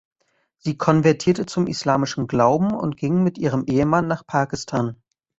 Sie konvertierte zum islamischen Glauben und ging mit ihrem Ehemann nach Pakistan.